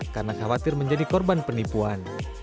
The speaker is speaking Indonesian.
karena khawatir menjadi korban penipuan